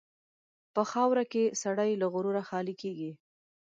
په خاوره کې سړی له غروره خالي کېږي.